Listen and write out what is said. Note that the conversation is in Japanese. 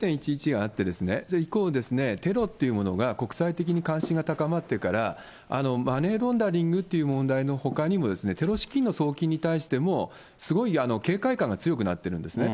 ９・１１があって、それ以降、テロっていうものが国際的に関心が高まってから、マネーロンダリングという問題のほかにも、テロ資金の送金に対しても、すごい警戒感が強くなってるんですね。